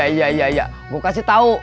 iya iya gue kasih tau